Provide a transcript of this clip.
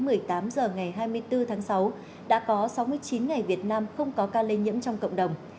bản tin lúc một mươi tám h ngày hai mươi bốn tháng sáu đã có sáu mươi chín ngày việt nam không có ca lây nhiễm trong cộng đồng